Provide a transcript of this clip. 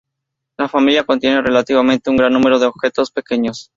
La familia contiene relativamente un gran número de objetos pequeños.